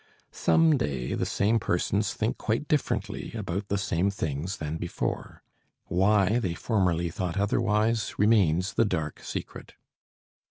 Some day the same persons think quite differently about the same things than before. Why they formerly thought otherwise remains the dark secret.